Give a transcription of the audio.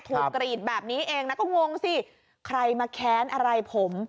กรีดแบบนี้เองนะก็งงสิใครมาแค้นอะไรผม